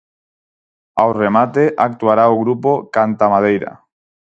Ao remate actuará o grupo Cantamadeira.